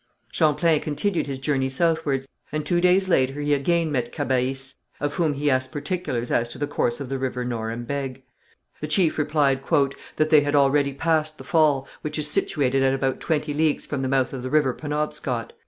Champlain continued his journey southwards, and two days later he again met Cabahis, of whom he asked particulars as to the course of the river Norembègue. The chief replied "that they had already passed the fall, which is situated at about twenty leagues from the mouth of the river Penobscot.